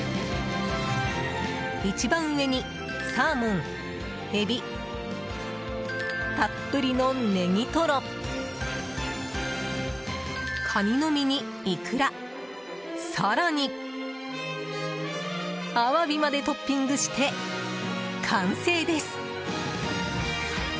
一番上にサーモン、エビたっぷりのネギトロカニの身にイクラ更にアワビまでトッピングして完成です。